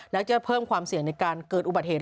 และจะเพิ่มความเสี่ยงในการเกิดอุบัติเหตุ